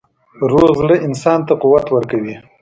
روغ زړه انسان ته قوت ورکوي.